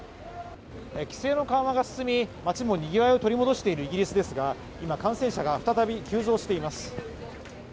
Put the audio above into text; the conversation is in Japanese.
規制の緩和が進み、街もにぎわいを取り戻しているイギリスですが、今、感染者が再び急増しています。